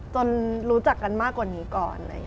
รู้จักกันมากกว่านี้ก่อน